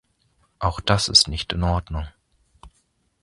Auch das ist nicht in Ordnung.